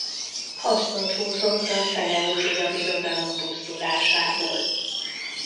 Hasznot húzott a Szeleukida Birodalom pusztulásából.